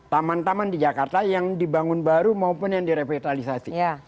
taman taman di jakarta yang dibangun baru maupun yang direvitalisasi